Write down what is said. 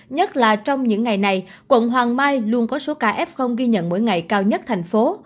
nhất là trong những ngày này quận hoàng mai luôn có số ca f ghi nhận mỗi ngày cao nhất thành phố